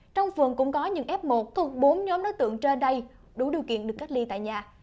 trong phường cũng có những f một thuộc bốn nhóm đối tượng trên đây đủ điều kiện được cách ly tại nhà